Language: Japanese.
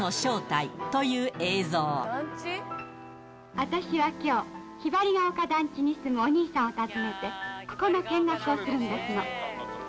私はきょう、ひばりが丘団地に住むお兄さんを訪ねて、ここの見学をするんです